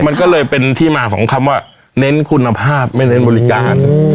มันก็เลยเป็นที่มาของคำว่าเน้นคุณภาพไม่เน้นบริการ